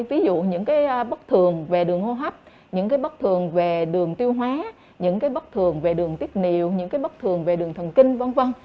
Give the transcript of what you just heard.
ví dụ những bất thường về đường hô hấp những bất thường về đường tiêu hóa những bất thường về đường tiết niều những bất thường về đường thần kinh v v